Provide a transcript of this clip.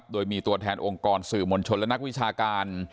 โดยมีตัวแทนองค์กรสื่อมวลชนและนักวิชาการ